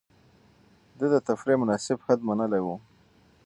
ده د تفريح مناسب حد منلی و.